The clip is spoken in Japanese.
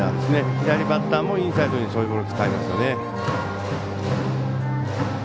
左バッターもインサイドにそういうボール使いますよね。